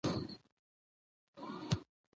او موږ نېکانو ته همدا ډول بدل ورکوو.